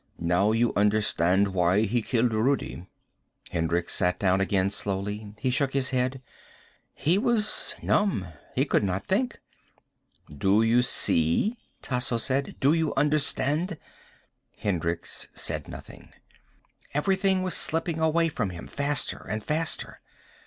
"Now you understand why he killed Rudi." Hendricks sat down again slowly. He shook his head. He was numb. He could not think. "Do you see?" Tasso said. "Do you understand?" Hendricks said nothing. Everything was slipping away from him, faster and faster.